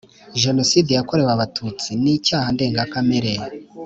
Jenoside yakorewe Abatutsi ni icyaha ndengakamere.